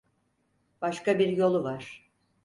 Başka bir yolu var.